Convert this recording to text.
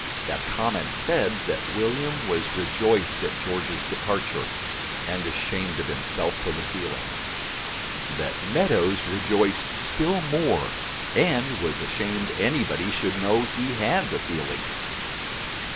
That comment said that William was rejoiced at George's departure and ashamed of himself for the feeling. That Meadows rejoiced still more and was ashamed anybody should know he had the feeling.